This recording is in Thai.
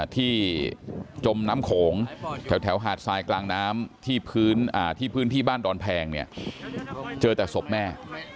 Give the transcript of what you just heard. ที่จมน้ำโขงแถวหาดทรายกลางน้ำที่พื้นที่บ้านดอนแพงเนี่ยเจอแต่ศพแม่